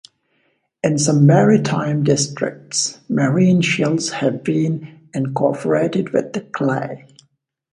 In some maritime districts, marine shells have been incorporated with the clay.